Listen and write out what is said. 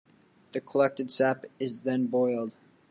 The collected sap is then boiled.